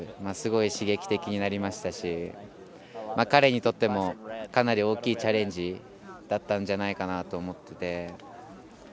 すごい刺激的になりましたし彼にとっても、かなり大きいチャレンジだったんじゃないかと思っていて。